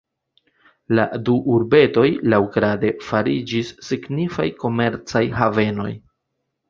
La du urbetoj laŭgrade fariĝis signifaj komercaj havenoj.